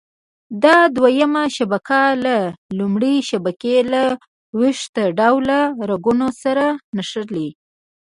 دا دویمه شبکه له لومړۍ شبکې له ویښته ډوله رګونو سره نښلي.